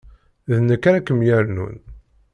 D nekk ara kem-yernun.